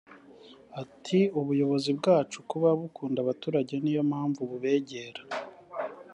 Ati “Ubuyobozi bwacu kuba bukunda abaturage ni yo mpamvu bubegera